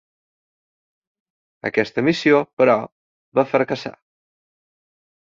Aquesta missió, però, va fracassar.